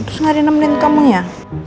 terus gak ada yang nemenin kamu ya